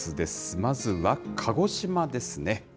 まずは鹿児島ですね。